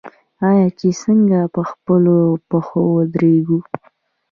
آیا چې څنګه په خپلو پښو ودریږو؟